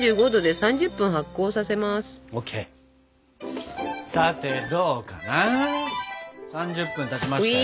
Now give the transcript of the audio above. ３０分たちましたよ。